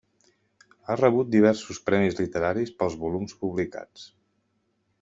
Ha rebut diversos premis literaris pels volums publicats.